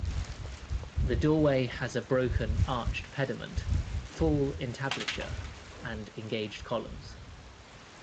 The doorway has a broken arched pediment, full entablature, and engaged columns.